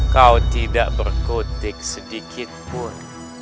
kau tidak berkutik sedikitpun